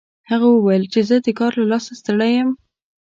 هغه وویل چې زه د کار له لاسه ستړی یم